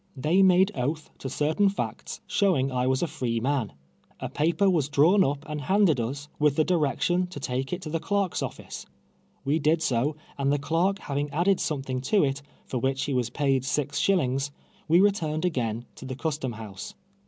They made oath to certain facts showing I was a free man. A paper was drawn up and handed us, with the direction to take it t>) tlie clerk's office. "We did so, and the clerk having added something to it, for which he was paid six shil lings, we returned again to the Custom House.